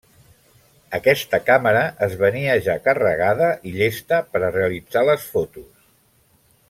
Aquesta càmera es venia ja carregada i llesta per a realitzar les fotos.